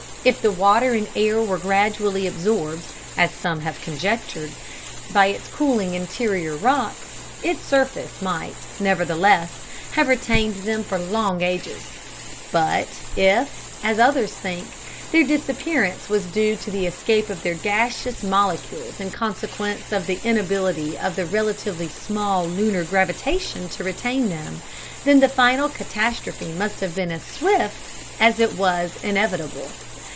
If the water and air were gradually absorbed, as some have conjectured, by its cooling interior rocks, its surface might, nevertheless, have retained them for long ages; but if, as others think, their disappearance was due to the escape of their gaseous molecules in consequence of the inability of the relatively small lunar gravitation to retain them, then the final catastrophe must have been as swift as it was inevitable.